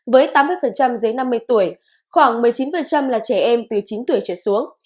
với tám mươi dưới năm mươi tuổi khoảng một mươi chín là trẻ em từ chín tuổi trở xuống